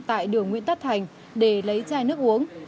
tại đường nguyễn tất thành để lấy chai nước uống